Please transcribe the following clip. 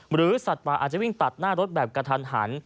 สัตว์ป่าอาจจะวิ่งตัดหน้ารถแบบกระทันหัน